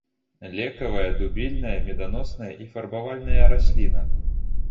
Лекавая, дубільная, меданосная і фарбавальная расліна.